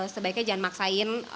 sebaiknya jangan maksain